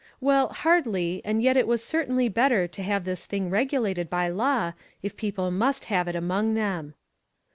Well, hardly, and yet it was cer tainly better to have this thing regulated by law, if people must have it among them.